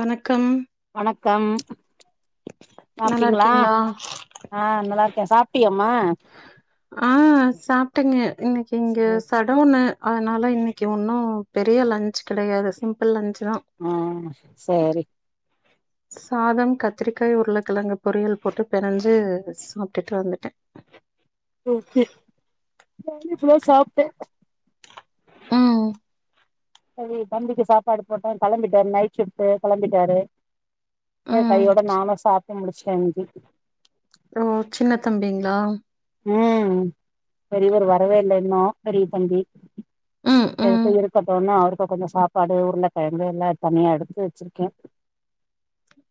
வணக்கம் வணக்கம் நல்லா சாப்ட்டீங்ளா இருக்கீங்களா ஆ நல்லார்க்கே சாப்ட்டியம்மா ஆ சாப்ட்டெங்கெ இன்னிக் இங்க சரி சட் ட்ர ஒன்னு அனால இன்னிக்குி ஒன்னு பெரிய லன்ச் கிடையாது சிம்பிள் லன்ச் தா ஆமா சரி சாதம் கத்திரிக்காய் உருளைக்கிழங்கு பொரியல் போட்டு பினஞ்சு சாப்ட்டிட்டு வந்துட்டே ஓகே தனி ப்ளோ சாப்ட்டே ம் சரி தம்பிக்கு சாப்பாடு போட்டே களம்பிட்டாரு நைட் ஷிஃப்ட்டு களம்பிட்டாரே ச ம் கையோட நானு சாப்ட்டு முடிச்ட்டே இன்க்கி ரோ சின்ன தம்பிங்ளா ம் பெரிவர் வரவே இல்ல இன்னும் பெரி தம்பி ம் எக் ம் சய்ரக்கட்டோன்னா அவரு இப்ப கொஞ்ச சாப்பாடு உருல கிழங்கு எல்லா இப்பமே எடுத்து வெச்சிருக்கே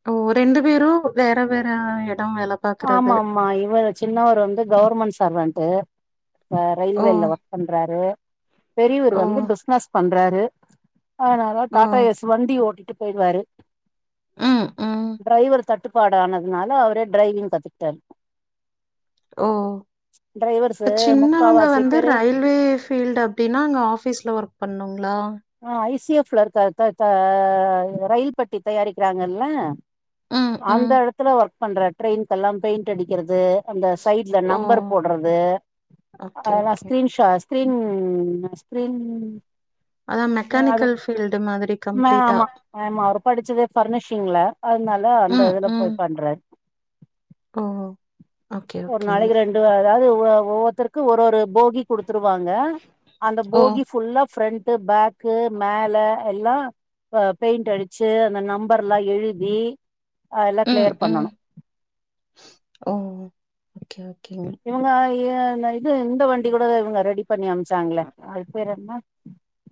ஓ ரெண்டு பேரு வேற வேற எடோ வெளப் ஆமா ஆமா இவ சின்னவர் வந்து கௌர்மண் சர்வன்ட்டு அ ஓ ரயில்வேல வர்க் பண்றாரு பெரியூரு ஓ வந்து பிஸ்னஸ் பண்றாரு அனாலா ஓ டாடா எஸ் வண்டி ஓட்டிட்டு போயிட்வாரு ம் ம் ட்ரைவர் தட்டுப்பாடு ஆனதுனால அவரே ட்ரைவிங் கத்துக்ட்டாரு ஓ த சின்னவங்க முக்காவாசி வந்து பேரு ரயில் லி ஃபீல்டு அப்டின்னா அங்க ஆஃபீஸ்ல ஒர்க் பண்ணுங்ளா ஆ ஐசிஎஃப்ல இருக்கா தத அயி ரயில் பட்டி தயாரிக்கிறாங்கல்ல ம், அந்த ம். எடத்துல வர்க் பண்ற ட்ரெயின்க்கல்லாம் பெயிண்ட் அடிக்கிறது அந்த சைட்ல ஓ! நம்பர் போட்றது ஓகே, அல்லா ஓகே. ஸ்க்ரீன்ஷ் ட ஸ்க்ரீன் அ ஸ்ப்ரின் அதான் யா அது மெக்கானிக்கல் ஃபீல்டு மாதிரி மே கம்ப்ளீட்டா. ஆமா ஆமா அவர் படிச்சதே ஃபர்னிஷிங்ல அத்னால அந்த இதுல போய் பண்றார் ஓஹோ ஒரு நாளைக்கு ரெண்டு அதாவது உவ ஒவ்வொத்தர்க்கு ஒர் ஒரு போகி குடுத்துருவாங்க அந்த ஓ! போகி ஃபுல்லா ஃபிரண்ட்டு பேக் க்கு மேல எல்லா பெயிண்ட் அடிச்சு அந்த நம்பர் எல்லா எழுதி எல்லா ம் கிளியர் ம் பண்ணணு ஓ ஓகே ஓகேங்க இவுங்க இது இந்த வண்டி கூட இவுங்க ரெடி பண்ணி அனுப்ச்சாங்ளே அது பேர் என்ன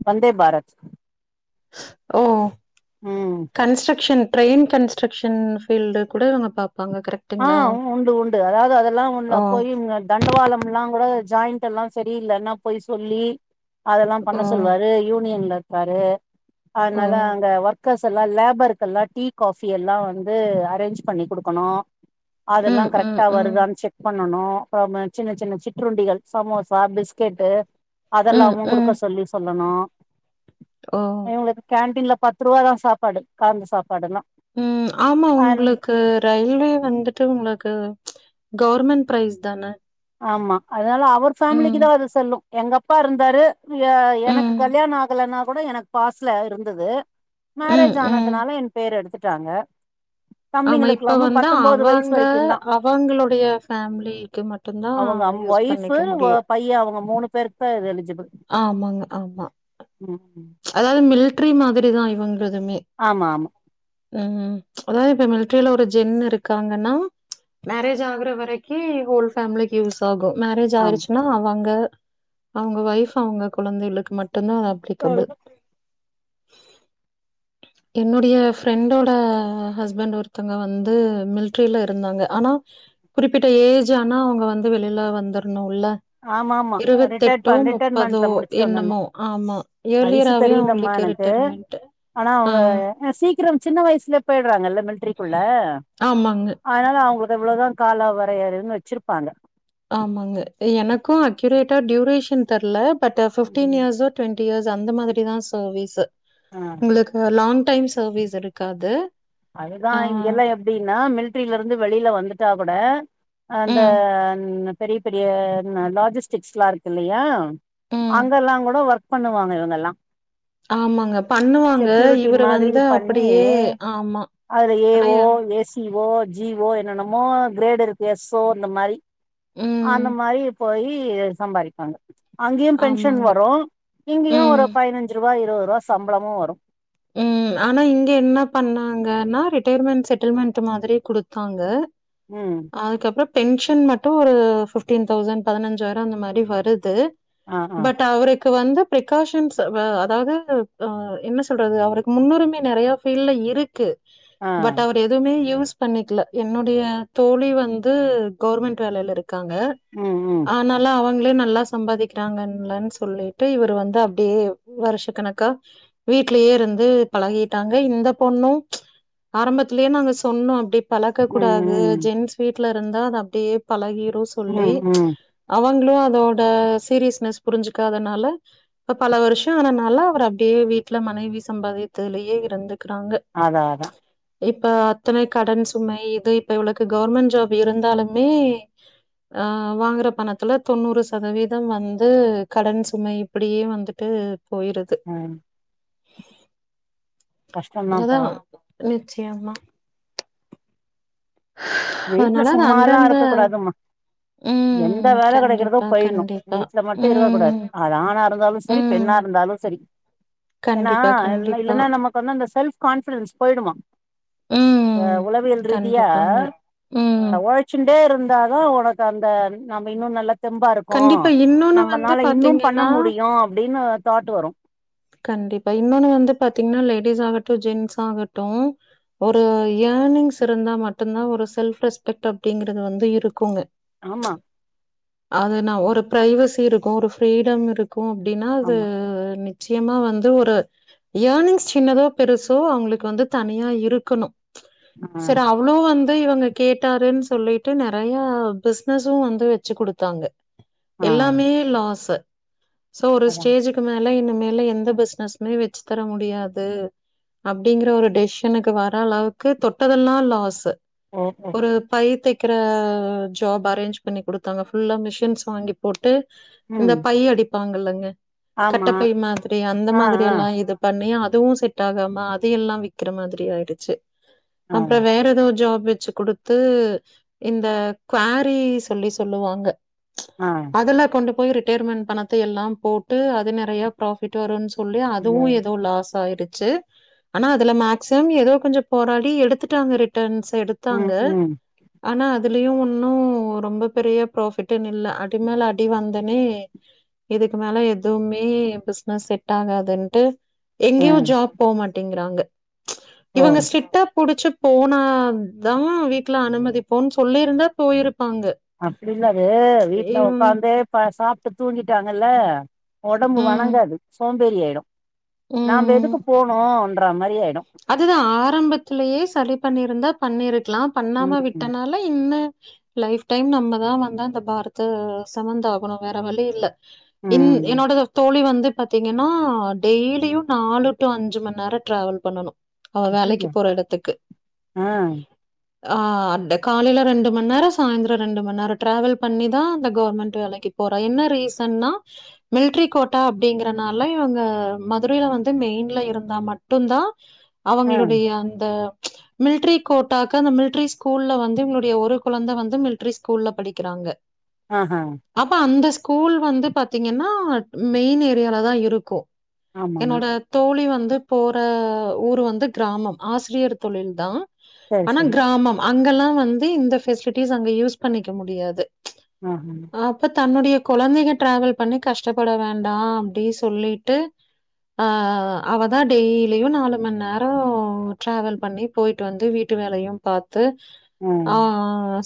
வந்தே பாரத் ஓ ம் கன்ஸ்டிரக்ஷன் ட்ரெயின் கன் கன்ஸ்டிரக்ஷன் ஃபீல்டு கூட அவுங்க பாப்பாங்க கரெக்ட் ஆ உண்டு உண்டு அதாவது அதெல்லா ஓ! அப்போயு இவுங்க தண்டவாளம் எல்லாங் கூட ஜாயிண்ட் எல்லா சரியில்லன்னா போய் சொல்லி அதெல்லாம் ஓ! பண்ண சொல்லுவாரு யூனியன்ல இருக்காரு ஓ! அதனால அங்க ஒர்க் கர்ஸ் எல்லா லேபர்கெல்லா டீ காஃபி எல்லா வந்து அரேஞ்ச் பண்ணி குடுக்கணு அதெல்லா ம், ம், கரெக்டா ம். வருதான் செக் பண்ணனு அப்றமெ சின்ன சின்ன சிற்றுண்டிகள் சமோசா பிஸ்கெட்டு ம், அதெல்லாமு குடுக்க ம். சொல்லி சொல்லணு ஓ! இவுங்களுக்கு கேண்டீன்ல்ல பத் துருவாதான் சாப்பாடு கலந்த சாப்பாடெல்லா ம் ஆமா உங்களுக்கு ரயில் ட்டு உங்களுக்கு கவர்மெண்ட் ப்ரைஸ் தான ஆமா அதனால அவர் ம், ஃபேமிலிக்குதா அது செல்லு எங்க அப்பா இருந்தாரு எனக்கு ம். கல்யாணோ ஆகலனா கூட எனக்கு பாஸ்ல இருந்தது ம், மேரேஜ் ம். ஆனதுனால என் பேரு எடுத்துட்டாங்க ஆமா இப்ப தம்பிங்களுக்கெல்லாமு வந்தா பத்தொன்பது வயசு அவங்க வரைக்கு தா அவங்களுடைய ஃபேமிலிக்கு மட் அவுங்க அம் ஒய்ஃப் ஒ பையன் அவுங்க மூணு பேர்க்தா அது எலிஜிபிள் ஆமாங்க ஆமா ம் ஹும் அதாவது மில்ட்ரி மாதிரிதா இவுங்களுதுமே ஆமாமா ம் ம் அதாவது இப்ப மிலிட்ரில ஒரு ஜென் இருக்காங்கன்னா மேரேஜ் ஆகற வரைக்கு ஹோல் ஃபேமிலி க்கு யூஸ் ஆகு மேரேஜ் ஆயிருச்சுனா அவங்க அவங்க ஒய்ஃப் அவங்க கொழந்தைகளுக்கு மட்டுந்தா அது அப்ளிகபிள் என்னுடைய ஃப்ரெண்டோட ஹஸ்பண்ட் ஒருத்தங்க வந்து மிலிட்ரில இருந்தாங்க ஆனா குறிப்பிட்ட ஏஜ் ஆனா அவங்க வந்து வெளில வந்தரணுல்ல ஆமா ஆமா ஆமா ரிட்டையர்ட் ப இருவத்தெட்டோ முப்பதோ ரிட்டைர்மெண்ட்ல முடிச்சுட்டு வந்துடணும் என்னமோ ஆமா வயசு ஏளியராவே தெரியலம்மா அவுங்களுக்கு இரு எனக்கு ட்ருமென்ட்டு ஆனா அவுங்க சீக்கிரம் சின்ன வயசுலயே போயிடறாங்கல்ல மில்ட்ரிக்குள்ள ஆமாங்க, அதனால அவுங்களுக்கு அவ்ளதா கால வரையறன்னு வெச்சிருப்பாங்க ஆமாங்க எனக்கு அக்யூரேட்டா டியூரேஷன் தெர்ல பட் ஃபிப்டீன் ம் இயர்ஸ்ஸோ டுவெண் டி இயர்ஸ் அந்த மாரிதா சர்வீஸு ஆ உங்களுக்கு லாங் டைம் சர்வீஸ் இருக்காது அதுதா ஆ, இங்கெல்லா எப்டின்னா மிலிட்ரில இருந்து வெளில வந்துட்டா கூட அ ம், அந்த பெரிய பெரிய லாஜிஸ்டிக்ஸ் எல்லா இருக்கல்லையா ம். அங்க எல்லாங் கூட ஒர்க் பண்ணுவாங்க இவங்கெல்லா ஆமாங்க பண்ணுவாங்க இவரு மாதிரி வந்து பண்ணி அப்டியே ஆமா அதுல ஏ ஆனா வோ, ஏ சி வோ, ஜி வோ என்னென்னமோ கிரேடு இருக்கு எஸ் ஓ அந்த மாரி அந்த ம். மாரி போயி சம்பாரிப்பாங்க அங்கயு பென்ஷன் ஆமாங்க. வரு இங்கயு ம், ஒரு பதினஞ்சு ரூவா இருவது ரூவா சம்பளமு வரு ம். ஆனா இங்க என்ன பண்ணாங்கன்னா ரிட்டைர்மென்ட் செட்டில்மெண்ட் மாதிரி குடுத்தாங்க ம் அதுக்கப்றோ பென்ஷன் மட்டு ஒரு ஃபிஃப்டீன் தௌசண்ட் பதினஞ்சாயிரோ அந்த மாதிரி வருது ஆ ஆ பட் அவருக்கு வந்து ப்ரிக்காஷன்ஸ் வ அதாது ஆ என்ன சொ சொல்றது அவருக்கு முன்னுரிமை நெறைய ஃபீல்ல இருக்கு ஆ பட் அவ எதுமே யூஸ் பண்ணிக்கல என்னுடைய தோழி வந்து கவர்மெண்ட் வேலைல இருக் க்காங்க ம் ம் ஆனா ல்லா அவங்களே நல்லா சம்பாதிக்கிறாங்கன்ல சொல்லிட்டு இவரு வந்து அப்டியே வருஷ கணக்கா வீட்லயே இருந்து பழகிட்டாங்க இந்த பொண்ணு ஆரம்பத்துலே நாங்க சொன்னோ அப்டி பழக்க ம் கூடாது ம் ஜென்ஸ் வீட்லருந்தா அது அப்டியே பழகிரு சொல்லி ம் ம் அவுங்களு அதோட சீரியஸ்னஸ் புரிஞ்சிக்காதனால இப்ப பல வர்ஷோ ஆனனால அவர் அப்டியே வீட்ல மனைவி சம்பாதித்துலயே இருந்துக்குறாங்க அதா அதா இப்ப அத்தனை கடன் சுமை இது இப்ப இவளுக்கு கவர்மெண்ட் ஜாப் இருந்தாலுமே ஆ வாங்குற பணத்துல தொண்ணூறு சதவீதோ வந்து கடன் சுமை இப்டியே வந்துட்டு போயிருது ஆ அத தா கஷ்டந்தாப்பா நிச்சயமா வீட்ல அதனால அது சும்மாலா இருக்க அந்தந்த கூடாதுமா எந்த ம் வேல கெடைக்கறதோ கண்டிப்பா போயின்னு கண்டிப்பா வீட்ல மட்டு இருக்க கூடாது ம் அது ஆணாருந்தாலு சரி ம் பெண்ணா இருந்தாலு சரி ஏனா கண்டிப்பா இ கண்டிப்பா இல்லன்னா நமக்கு வந்து அந்த செல்ஃப் கான்ஃபிடன்ஸ் போயிடுமா இப்ப ம் உளவியல் ரீதியா கண்டிப்பாங்க ம் அ உழைச்சுன்டே இருந்தாதா உனக்கு அந்த நம்ம இன்னு நல்லா தெம்பாருக்கு கண்டிப்பா இன்னொன்னு வந்து நம்மனால இன்னு பண்ண பாத்தீங்கன்னா முடியு அப்டின்னு தாட்டு வரு கண்டிப்பா இன்னொன்னு வந்து பாத்தீங்னா லேடிஸ் ஆகட்டு ஜென்ஸ் ஆகட்டு ஒரு ஏர்னிங்ஸ் இருந்தா மட்டுந்தா ஒரு செல்ஃப் ரெஸ்பெக்ட் அப்டிங்கறது வந்து இருக்குங்க ஆமா அது நா ஒரு பிரைவசி இருக்கு ஒரு ஃப்ரீடம் இருக்கு அப்டின்னா அது ஆமா நிச்சியமா வந்து ஒரு ஏனிங்ஸ் சின்னதோ பெருசோ அவங்களுக்கு வந்து தனியா இருக்குணு ஆ சர அ அவ்ளோ வந்து இவங்க கேட்டாருன்னு சொல்லிட்டு நறைய பிஸ்னஸு வந்து வச்சு குடுத்தாங்க ஆ எல்லாமே லாசு சோ ஒரு அதா ஸ்டேஜுக்கு மேல இனி மேலு எந்த பிஸ்னஸ்மே வெச்சு தர முடியாது அப்டிங்கற ஒரு டெசிஷனுக்கு வர அளவுக்கு தொட்டதெல்லா லாஸு ஓ ஓ ஒரு பை தைக்கிற ஜாப் அரேஞ்ச் பண்ணி குடுத்தாங்க ஃபுல்லா மிஷின்ஸ் வாங்கி போட்டு இந்த ம் பை அடிப்பாங்கல்லங்க கட்ட ஆமா பை மாதிரி அந்த ஆ ஆ மாதிரியெல்லா இது பண்ணி அதுவு செட் ஆகாம அது எல்லா விக்கிற மாதிரி ஆயிடுச்சு ஆ அப்றோ வேற எதோ ஒரு ஜாப் வச்சு குடுத் து இந்த குவாரி சொல்லி சொல்லுவாங்க ஆ அதுல கொண்டு போய் ரிட்டையர்மெண்ட் பணத்த எல்லா போட்டு அது நெறையா ப்ரா ட்டு வருன் சொல்லி அதுவு ஐயோ எதோ லாஸ் ஆயிருச்சு ஆனா அதுல மேக்சிமம் எதோ கொஞ்சோ போராடி எடுத்துட்டாங்க ரிட்டன்ஸ் எடுத்தாங்க ம் ம் ஆனா அதுலயு ஒன்னு ரொம்ப பெரிய ப்ராஃபிட்ன்னு இல்ல அடி மேல அடி வந்தனே இதுக்கு மேல எதுமே பிஸ் ஆ செட் ஆகாதுன்ட்டு ஆ எங்கியு ஜாப் போ மாட்டிங்கறாங்க ஓ இவங்க ஸ்ட்ரிக்ட்டா புடிச் போனாதா வீட்ல அனுமதிப்போன்னு சொல்லிருந்தா போயிருப்பாங்க அப்படில்ல அது வீட்டுல ம் உக்காந்தே ப சாப்புட்டு தூங்கிட்டாங்கல்ல உடம்பு ம் வணங்காது சோம்பேறி ஆயிடு நாம ம் எதுக்கு போன்னும்ன்ற மாதிரி ஆயிடு அதுதா ஆரம்பத்திலயே சரி பண்ணிருந்தா பண்ணிருக்கலா பண்ணாம ம் விட்டனால இன்ன லைஃப் டைம் நம்மதா வந்து அந்த பாரத்த சமந்தா ஆகணு வேற வழி இல்ல இன் ம் என்னோட தோழி வந்து பாத்தீங்கன்னா டெய்லியு நாலு டு அஞ்சு ம நேர ட்ராவல் பண்ணணு அவ வேலைக்கு அய்யய்யோ போற இடத்துக்கு ஆ ஆ அந்த காலையில ரெண்டு ம நேர சாயந்தர ரெண்டு ம நேர டிராவல் பண்ணிதா அந்த கவர்மெண்ட் வேலக்கு போறா என்ன ரீசன்னா மில்ட்ரி கோட்டா அப்டிங்கறனால இவங்க மதுரையில வந்து மெயின்ல இருந்தா மட்டுதா ஆ அவங்களுடைய அந்த மில்ட்ரி கோட்டாக்கு அந்த மில்ட்ரி ஸ்கூல்ல வந்து இவங்களுடைய ஒரு குழந்த வந்து மில்ட்ரி ஸ்கூல்ல படிக்கிறாங்க ஆ ஹ அப்போ அந்த ஸ்கூல் வந்து பாத்தீங்கன்னா மெயின் ஏரியால தா இருக்கும் ஆமா என்னோட தோழி வந்து போற ஊரு வந்து கிராமம் ஆசிரியர் தொழில் தா சரி ஆனா சரி கிராமம் அங்கல்லா வந்து இந்த பெசிலிட்டிஸ் அங்க யூஸ் பண்ணிக்க முடியாது அ அ அப்ப தன்னுடைய குழந்தைங்க டிராவல் பண்ணி கஷ்டப்பட வேண்டாம் அப்டி சொல்லிட்டு ஆ அவ தா டெய்லியு நாலு ம நேர டிராவல் பண்ணி போயிட்டு வந்து வீட்டு வேலையு பாத்து த்து ம் ஆ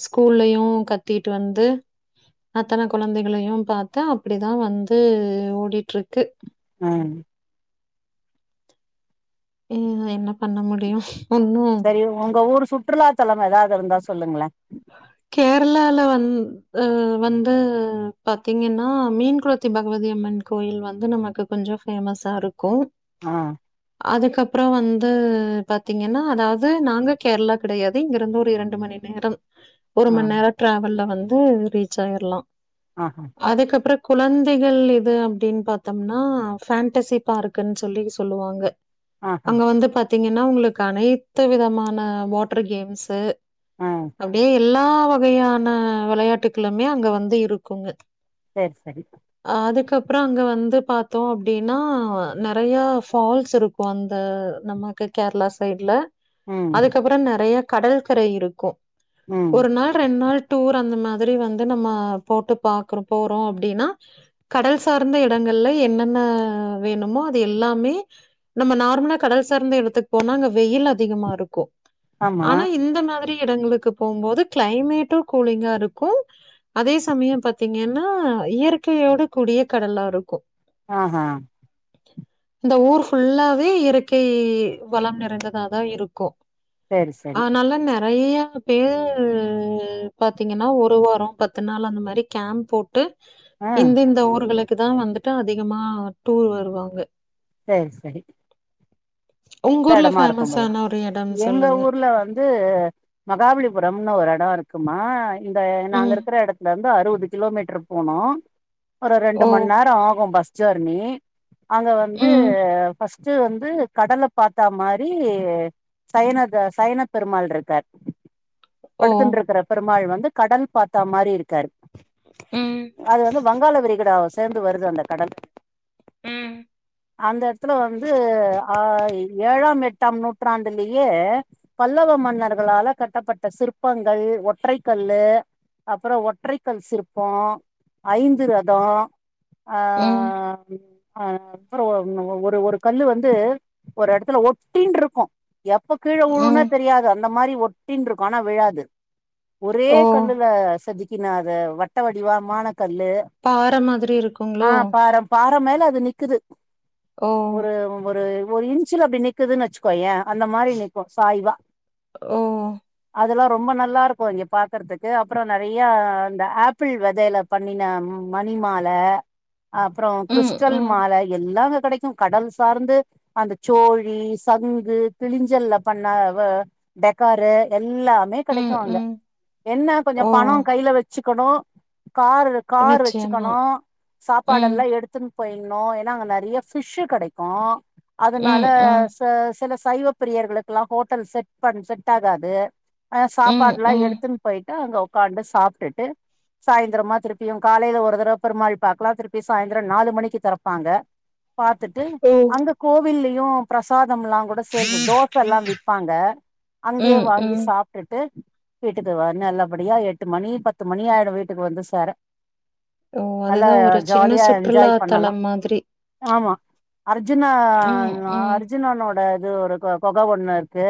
ஸ்கூல்லயையு கத்திட்டு வந்து அத்தன குழந்தைகளையு பாத்து அப்டிதா வந்து ஓடிட்டு இருக்கு ம் இத என்ன பண்ண முடியு ஒன்னு சரி உங்க ஊர் சுற்றுலாத்தலம் ஏதாவது இருந்தா சொல்லுங்கள கேரளால வந்து அ வந்து பாத்தீங்கன்னா மீன் குளத்தி பகவதிய அம்மன் கோயில் வந்து நமக்கு கொஞ்ச ஃபேமஸா இருக்கும் ஆ அதுக்கப்பற வந்து பாத்தீங்கன்னா அதாவது நாங்க கேரளா கிடையாது இங்க இருந்து ஒரு ரெண்டு மணி நேரம் ஒரு ஆ ம நேர டிராவல்ல வந்து ரீச் ஆயிரலா ஆ அதுக்கப்பற குழந்தைகள் இது அப்டின்னு பாத்தோம்னா ஃபண்டசி பார்க் குன்னு சொல்லி சொல்லுவாங்க ஆஹா அங்க வந்து பாத்தீங்கன்னா உங்களுக்கு அனைத்து விதமான வாட்டர் கேம்ஸு ஆஹ அப்டியே எல்லா வகையான விளையாட்டுக்களுமே அங்க வந்து இருக்குங்க சேர் சேரி அதுக்கப்பற அங்க வந்து பாத்தோ அப்டின்னா நறையா ஃபால்ஸ் இருக்கு இப்போ வந்து நமக்கு கேரளா சைட்ல ம் அதுக்கப்புறோ நெறைய கடல்கரை இருக்கு ம் ஒரு நாள் ரெண்டு நாள் டூர் அந்த மாதிரி வந்து நம்ம போட்டு பாக்குற போறோ அப்டின்னா கடல் சார்ந்த எடங்கள்ல என்னென்ன வேணுமோ அது எல்லாமே நம்ம நார்மலா கடல் சார்ந்த எடத்துக் போனா அங்க வெயில் அதிகமா இருக்கு ஆமா ஆனா இந்த மாதிரி இடங்களுக்கு போம்போது கிளைமேட்டு கூலிங்கா இருக்கு அதே சமய பாத்தீங்கன்னா இயற்கையோட கூடிய கடல்லா இருக்கு ஆஹா இந்த ஊர் ஃபுல்லாவே இயற்கை வளம் நிறைந்ததாதா இருக்கு சரி சரி ஆனால நெறைய பே பாத்தீங்கன்னா ஒரு வாரோ பத்து நாள் அந்த மாரி கேம்ப் போ ட்டு ஆ இந்தந்த ஊர்களுக்கு தா வந்துட்டு அதிகமா டூர் வருவாங்க சேர் சரி உங்க ந்த ஊர்ல எடமா இருக்கும்போல ஃபேமஸான ஒரு இடம்னு எங்க சொல்லுங்க? ஊர்ல வந் து மகாபலிபுரம்னு ஒரு எடோ இருக்குமா இந்த நாங்க ம். இரு க்குற எடத்துல இருந்து அறுவது கிலோமீட்டர் போனு ஒரு ரெண்டு ஓ! மணி நேர ஆகு பஸ் ஜர்னி அங்க வந்து ம். ஃபஸ்ட்டு வந்து கடலப் பாத்தா மாரி சைனத சைனப் பெருமாள் இருக்கார் ஓ! படுத்துன் இருக்கர பெருமாள் வந்து கடன் பாத்தா மாரி இருக்காரு ம் அது வந்து வங்காள விரிகுடாவ சேர்ந்து வருது அந்த கடல் ம். அந்த த்துல வந்து ஏழாம் எட்டாம் நூற்றாண்டுலயே பல்லவ மன்னர்களால கட்டப்பட்ட சிற்பங்கள் ஒற்றை கல்லு அப்புறோ ஒற்றைக்கல் சிற்போ ஐந்து ரதோ ஆ ம். அப்புறோ ஒன்னு ஒரு ஒரு கல்லு வந்து ஒரு எடத்துல ஒட்டினு இருக்கு எப்ப கீழே உழுனே ம். தெரியாது அந்த மாரி ஒட்டின்ருக்கு ஆனா விழாது ஒரே ஓ! கல்லுல செதிக் கின அது வட்ட வடிவமானக் கல்லு பார மாதிரி இருக்குங்குளோ பார மேல அது நிக்குது ஓ! ஒரு ஒரு ஒரு இன்ச்சல அப்டி நக்குதுன்னு வச்சுக்கோயே அந்த மாரி நிக்கு சாய்வா ஓ! அதெல்லா ரொம்ப நல்லா இரு க்கு இங்க பாக்குறதுக்கு அப்புறோ நெறைய இந்த ஆப்பிள் வெதையில பண்ணின மணிமால அப்பறோ ம். கிறிஸ்டல் ம். மால எல்லா அங்க கெடைக்கு கடல் சார்ந்து அந்த சோழி சங்கு கிளிஞ்சல்ல பண்ண வ டெக்காரு எல்லா மே கெடைக்கு ம். அங்க ம். என்ன கொஞ்ச ஓ! பணோ கையில வெச்சுக்கணு கார் கார் நிச்சயமா. வெச்சுக்கணு ம். சாப்பாடெல்லா எடு த்துன் போயின்னோ ஏன்னா அங்க நெறைய பிஷ்சு கெடைக்கு அதனால ம். ம். ச சில சைவ பிரியர்களுக்கெல்லா ஹோட்டல் செட் பண் செட் ஆகாது ஆ ம் சாப்பாட்ல்லா ம் எடுத்துன் போயிட்டு அங்க உக்காந்து சாப்ட்டுட்டு சாயந்திரமா திருப்பியு காலையில ஒரு தடவ பெருமாள் பாக்கலா திருப்பி சாயிந்த்ரோ நாலு மணிக்கு தொறப்பாங்க பாத்துட்டு ஓ அங்க கோவில்லயு பிரசாதம்ல்லா கூட சேல்சு தோச எல்லா விப்பாங்க அங்கே ம் வாங்கி ம் சாப்ட்டுட்டு வீட்டுக்கு வர்னு நல்லபடியா எட்டு மணி பத்து மணி ஆயிடு வீட்டுக்கு வந்து சேர ஓ நல்லா அதுதா ஒரு சின்ன ஜாலியா சுற்றுலா என்ஜாய் பண்ணலா தலம் மாதிரி ஆமா அர்ஜுனா ம் அர் ம் அர்ஜுனனோட இது ஒரு கொ கொக ஒன்னு இருக்கு